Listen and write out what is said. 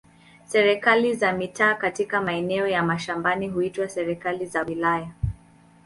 Serikali za mitaa katika maeneo ya mashambani huitwa serikali za wilaya.